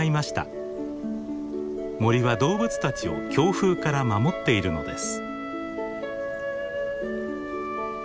森は動物たちを強風から守っているのです。